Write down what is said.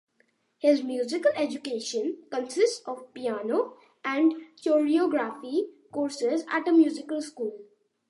His musical education consists of piano and choreography courses at a musical school.